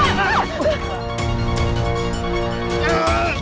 ibu sukses lagi